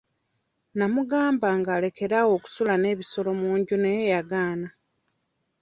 Namugambanga alekere awo okusula n'ebisolo mu nju naye yagaana.